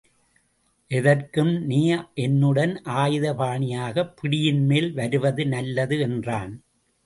எதற்கும் நீ என்னுடன் ஆயுத பாணியாகப் பிடியின்மேல் வருவது நல்லது என்றான்.